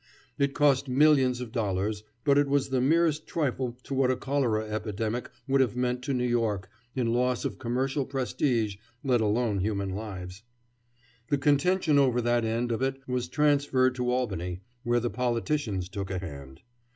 It cost millions of dollars, but it was the merest trifle to what a cholera epidemic would have meant to New York in loss of commercial prestige, let alone human lives. The contention over that end of it was transferred to Albany, where the politicians took a hand.